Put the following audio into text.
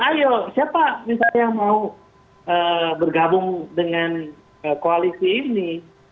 ayo siapa misalnya yang mau bergabung dengan koalisi ini